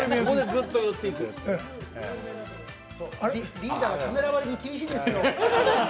リーダー、カメラ割りに厳しいんですよ。